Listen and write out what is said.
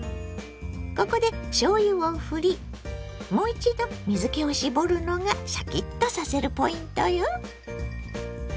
ここでしょうゆをふりもう一度水けを絞るのがシャキッとさせるポイントよ。